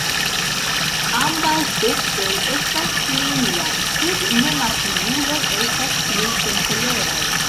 Ambaŭ seksoj estas similaj, sed nematuruloj estas pli senkoloraj.